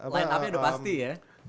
line upnya udah pasti ya